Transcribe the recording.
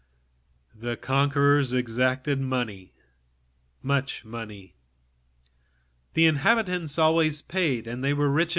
The conquerors exacted money, much money. The inhabitants paid what was asked; they were rich.